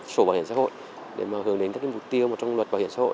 sổ bảo hiểm xã hội để hướng đến các mục tiêu trong luật bảo hiểm xã hội